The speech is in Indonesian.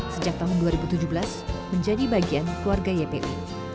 sejak tahun dua ribu tujuh belas menjadi bagian keluarga yput